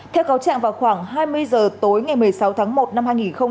theo cáo trạng vào khoảng hai mươi giờ tối ngày một mươi sáu tháng một năm hai nghìn hai mươi